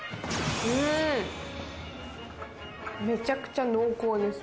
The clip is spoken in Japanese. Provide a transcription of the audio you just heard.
めちゃくちゃ濃厚です。